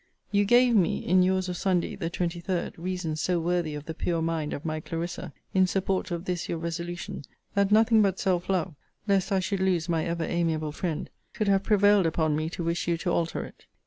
You gave me, in your's of Sunday the 23d, reasons so worthy of the pure mind of my Clarissa, in support of this your resolution, that nothing but self love, lest I should lose my ever amiable friend, could have prevailed upon me to wish you to alter it.